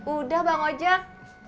udah bang ojak